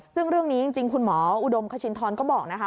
ซึ่งเรื่องนี้จริงคุณหมออุดมคชินทรก็บอกนะคะ